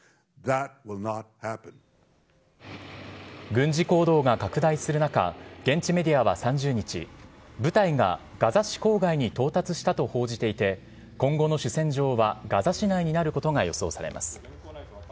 軍事行動が拡大する中、現地メディアは３０日、部隊がガザ市郊外に到達したと報じていて、今後の主戦場はガザ市内になることが予想されます。